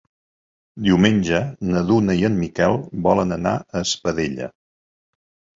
Diumenge na Duna i en Miquel volen anar a Espadella.